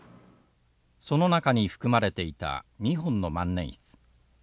その中に含まれていた２本の万年筆。